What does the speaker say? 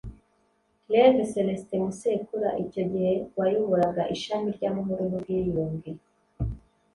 rev. celestin musekura icyo gihe wayoboraga ishami ry’amahoro n’ubwiyunge